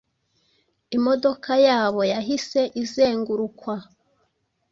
imodoka yabo yahise izengurukwa